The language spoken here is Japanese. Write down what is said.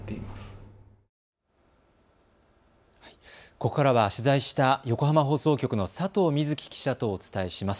ここからは取材した横浜放送局の佐藤美月記者とお伝えします。